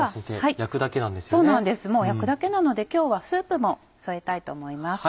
もう焼くだけなので今日はスープも添えたいと思います。